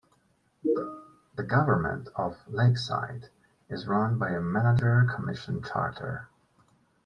The government of Lakesite is run by a manager-commission charter.